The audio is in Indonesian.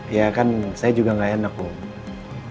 ya kan saya juga gak enak om